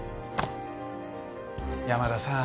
山田さん